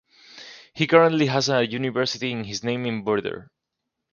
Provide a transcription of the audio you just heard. He currently has a university in his name in Burdur.